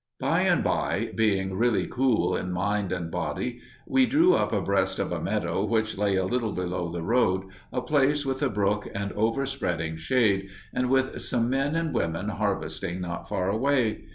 By and by, being really cool in mind and body, we drew up abreast of a meadow which lay a little below the road, a place with a brook and over spreading shade, and with some men and women harvesting not far away.